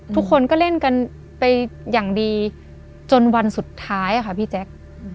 ทุกคนก็เล่นกันไปอย่างดีจนวันสุดท้ายค่ะพี่แจ๊ค